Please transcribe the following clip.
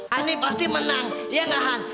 hani pasti menang ya gak han